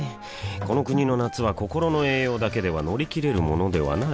この国の夏は心の栄養だけでは乗り切れるものではない